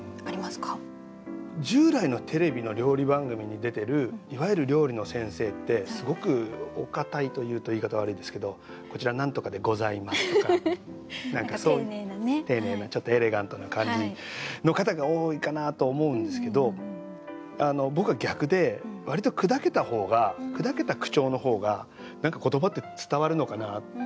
従来のテレビの料理番組に出てるいわゆる料理の先生ってすごくお堅いと言うと言い方悪いんですけど「こちら何とかでございます」とか丁寧なちょっとエレガントな感じの方が多いかなと思うんですけど僕は逆で割とをするっていうのは意識してますね。